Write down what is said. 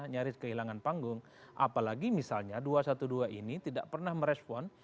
nyaris kehilangan panggung apalagi misalnya dua ratus dua belas ini tidak pernah merespon